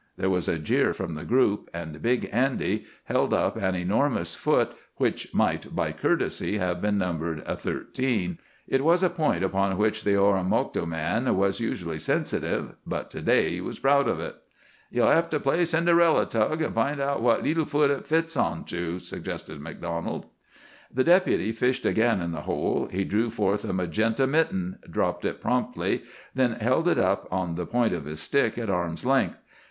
There was a jeer from the group, and Big Andy held up an enormous foot, which might, by courtesy, have been numbered a thirteen. It was a point upon which the Oromocto man was usually sensitive, but to day he was proud of it. "Ye'll hev to play Cinderella, Tug, an' find out what leetle foot it fits on to," suggested MacDonald. The Deputy fished again in the hole. He drew forth a magenta mitten, dropped it promptly, then held it up on the point of his stick at arm's length.